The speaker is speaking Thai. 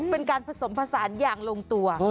เป็นการผสมผสานอย่างลงตัว